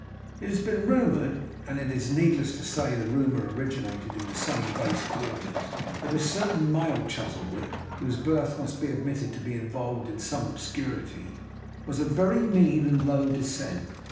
It has been rumoured, and it is needless to say the rumour originated in the same base quarters, that a certain male Chuzzlewit, whose birth must be admitted to be involved in some obscurity, was of very mean and low descent.